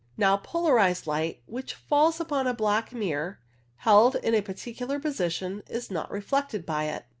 Now, polarized light which falls upon a black mirror held in a particular position is not reflected by it.